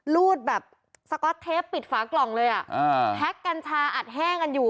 รูดแบบปิดฝากล่องเลยอ่ะอ่าอัดแห้งกันอยู่